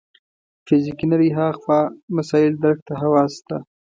فزیکي نړۍ هاخوا مسایلو درک ته حواس شته.